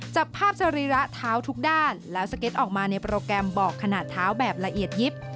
จับภาพสรีระเท้าทุกด้านแล้วสเก็ตออกมาในโปรแกรมบอกขนาดเท้าแบบละเอียดยิบ